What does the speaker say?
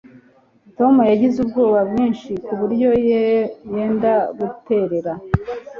Tom yagize ubwoba bwinshi kuburyo yenda guterera